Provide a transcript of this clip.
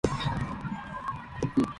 宣戦布告